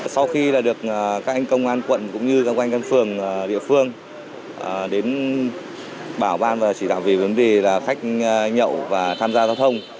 sau khi được các anh công an quận cũng như các anh phường địa phương đến bảo ban và chỉ đạo về vấn đề khách nhậu và tham gia giao thông